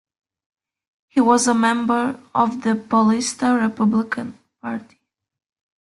He was a member of the Paulista Republican Party.